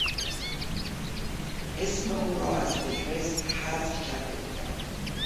اسم او را از فهرست حذف کرده بودند.